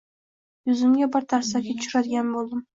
Yuzimga bir tarsaki tushiradigan bo’ldim.